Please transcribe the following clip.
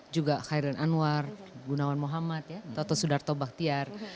juga khairul anwar gunawan muhammad toto sudarto baktiar